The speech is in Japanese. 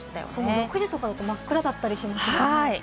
６時だったら真っ暗だったりしますよね。